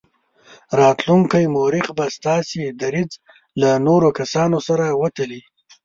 راتلونکی مورخ به ستاسې دریځ له نورو کسانو سره وتلي.